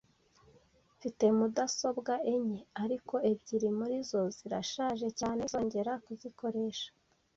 Mfite mudasobwa enye, ariko ebyiri muri zo zirashaje cyane sinzongera kuzikoresha.